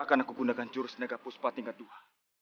akan aku gunakan jurus nega puspa tingkat dua